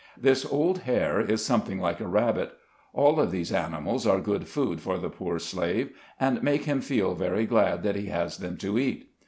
This old hare is something like a rabbit. All of these animals are good food for the poor slave, and make him feel very glad that he has them to eat.